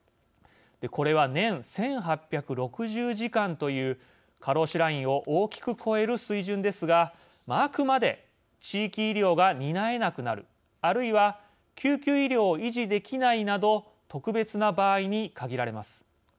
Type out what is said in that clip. これは年１８６０時間という過労死ラインを大きく超える水準ですがあくまで地域医療が担えなくなるあるいは救急医療を維持できないなど特別な場合に限られます。